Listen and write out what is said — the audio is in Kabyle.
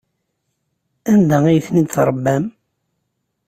Anda ay ten-id-tṛebbam?